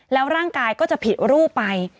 แล้วร่างกายก็จะผิดรูปไป